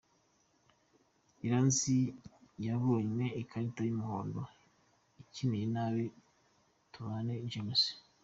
Iranzi yabonyue ikarita y’umuhondo akiniye nabi Tubane James .